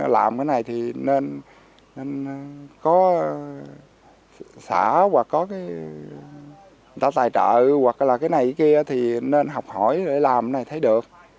làm cái này thì nên có xã hoặc có cái người ta tài trợ hoặc là cái này kia thì nên học hỏi để làm này thấy được